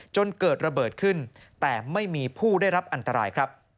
จนเกิดระเบิดขึ้นแต่ไม่มีผู้ได้รับอันตรายครับ